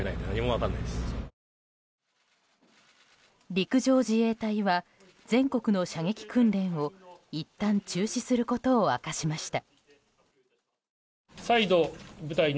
陸上自衛隊は全国の射撃訓練をいったん中止することを明かしました。